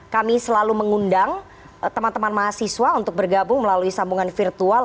kami selalu mengundang teman teman mahasiswa untuk bergabung melalui sambungan virtual